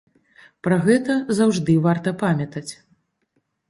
Пра гэта заўжды варта памятаць.